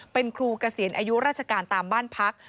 เป็นครูเกษียณอายุราชการตามบ้านพัก